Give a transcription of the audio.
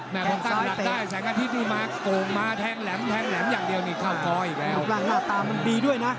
มือบรรท่านหน้าตามันดีด้วยนะ